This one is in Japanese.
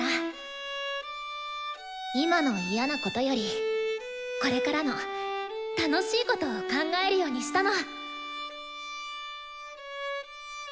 今の嫌なことよりこれからの楽しいことを考えるようにしたの！